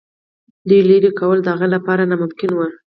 دوی لیري کول د هغه لپاره ناممکن وه.